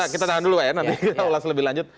kita tahan dulu ya nanti kita ulas lebih lanjut